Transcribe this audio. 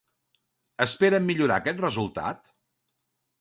Esperen millorar aquest resultat?